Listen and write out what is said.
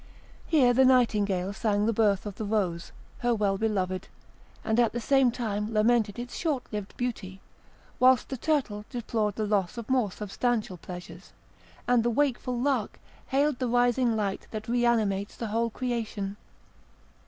Here the nightingale sang the birth of the rose, her well beloved, and at the same time lamented its short lived beauty; whilst the turtle deplored the loss of more substantial pleasures, and the wakeful lark hailed the rising light that re animates the whole creation.